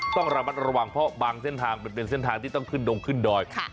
ต้องระมัดระวังเพราะบางเส้นทางมันเป็นเส้นทางที่ต้องขึ้นดงขึ้นดอย